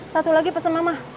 satu lagi pesen mama